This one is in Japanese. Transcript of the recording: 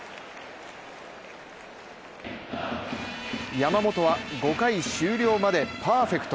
山本は５回終了までパーフェクト。